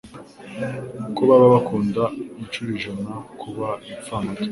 ko baba bakunda inshuro ijana kuba ibipfamatwi